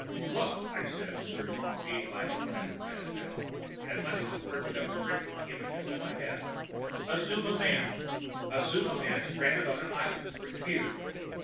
Look " I said, searching, being my own kind of man, now, and letting the words come straight from the images in my head. "Assume a man. Assume a man stranded on an island, for years.